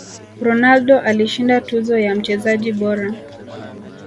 ronaldo alishinda tuzo ya mchezaji bora